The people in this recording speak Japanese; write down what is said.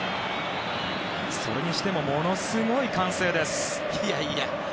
それにしてもものすごい歓声です。